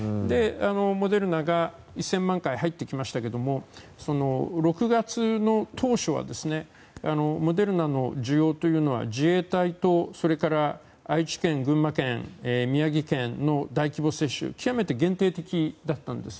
モデルナが１０００万回入ってきましたけど６月の当初はモデルナの需要は自衛隊と愛知県、群馬県宮城県の大規模接種極めて限定的だったんです。